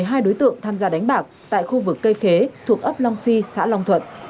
tạm giữ một mươi hai đối tượng tham gia đánh bạc tại khu vực cây khế thuộc ấp long phi xã long thuận